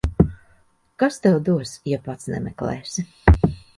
Kas tev dos, ja pats nemeklēsi.